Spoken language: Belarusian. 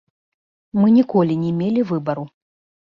Мы ніколі не мелі выбару.